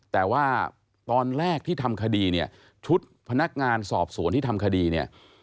แต่ว่าตอนแรกที่ทำคดีเนี่ยชุดพนักงานสอบสวนที่ทำคดีเนี่ย